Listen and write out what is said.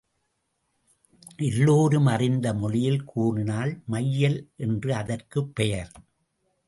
எல்லோரும் அறிந்த மொழியில் கூறினால் மையல் என்று அதற்குப் பெயர்.